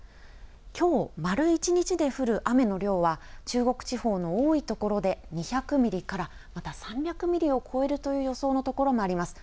きょう丸１日で降る雨の量は、中国地方の多い所で、２００ミリから、また３００ミリを超えるという予想のところもあります。